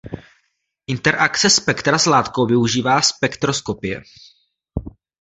Interakce spektra s látkou využívá spektroskopie.